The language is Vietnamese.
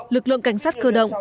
lực lượng cảnh sát cơ động